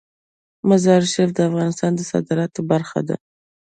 مزارشریف د افغانستان د صادراتو برخه ده.